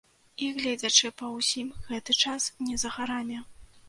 І, гледзячы па ўсім, гэты час не за гарамі.